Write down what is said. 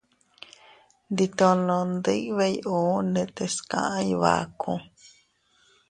Nditono ndibey uu ndetes kaʼa Iybaku.